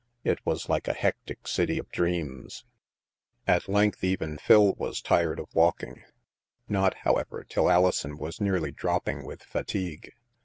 It was like a hectic city of dreams. ^^ At length even Phil was tired of walking, not, however, till Alison was nearly dropping with fa tigue.